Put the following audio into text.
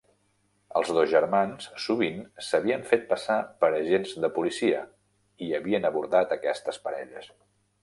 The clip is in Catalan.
Els dos germans sovint s'havien fet passar per agents de policia i havien abordat aquestes parelles.